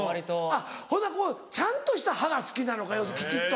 あっほんならこうちゃんとした歯が好きなのかきちっと。